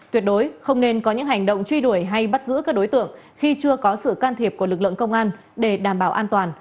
tuyệt đối không nên có những hành động truy đuổi hay bắt giữ các đối tượng khi chưa có sự can thiệp của lực lượng công an để đảm bảo an toàn